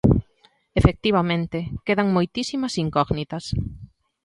Efectivamente, quedan moitísimas incógnitas.